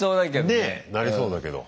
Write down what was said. ねえなりそうだけど。